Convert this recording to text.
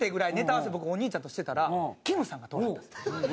合わせ僕お兄ちゃんとしてたらきむさんが通られたんです。